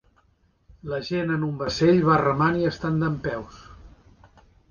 La gent en un vaixell va remant i estan dempeus.